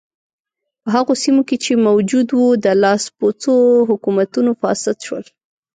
په هغو سیمو کې چې موجود و د لاسپوڅو حکومتونو فاسد شول.